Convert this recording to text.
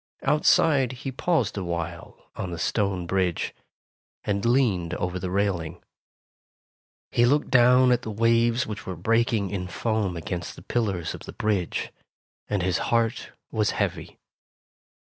Outside he paused awhile on the stone bridge, and leaned over the railing. He looked down at the waves which were breaking in foam against the pillars of the bridge, and his heart was heavy.